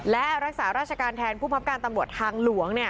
และรักษาราชการแทนผู้บังคับการตำรวจทางหลวง